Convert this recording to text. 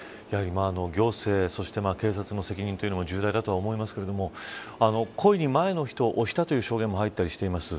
行政、そして警察の責任も重大だと思いますが故意に前の人を押したという証言も入っています。